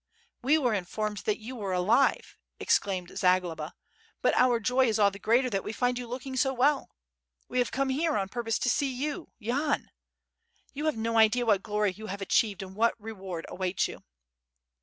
"We were informed that you were alive," exclaimed Za globa, "but our joy is all the greater that we find you looking so well. We have come here on purpose to see you. ... Yan! You have no idea what glory you have achieved and what reward awaits you."